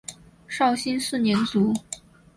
绍兴四年卒。